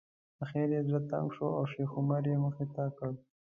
اخر یې زړه تنګ شو او شیخ عمر یې مخې ته کړ.